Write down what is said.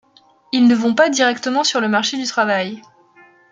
Ils ne vont pas directement sur le marché du travail.